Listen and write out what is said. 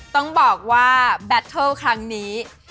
ต้องบอกว่าแบตเทิลครั้งนี้